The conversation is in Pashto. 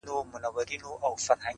ه ته خپه د ستړي ژوند له شانه نه يې.